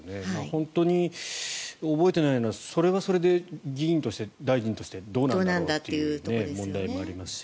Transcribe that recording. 本当に覚えていないのはそれはそれで議員として大臣としてどうなんだろうという問題もありますし。